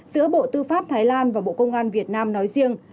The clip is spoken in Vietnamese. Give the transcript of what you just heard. giữa bộ tư pháp thái lan và bộ công an việt nam nói riêng